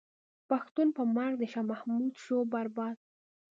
پښتون په مرګ د شاه محمود شو برباد.